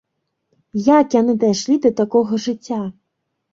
Як яны дайшлі да такога жыцця?